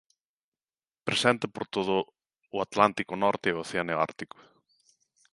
Presente por todo o Atlántico norte e Océano Ártico.